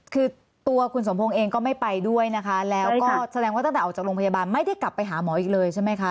คือตัวคุณสมพงศ์เองก็ไม่ไปด้วยนะคะแล้วก็แสดงว่าตั้งแต่ออกจากโรงพยาบาลไม่ได้กลับไปหาหมออีกเลยใช่ไหมคะ